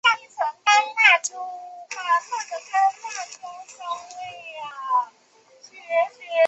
圣阿勒班德沃塞尔人口变化图示